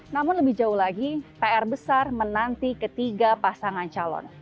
namun lebih jauh lagi pr besar menanti ketiga pasangan calon